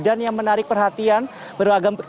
dan yang menarik perhatian beragam teknologi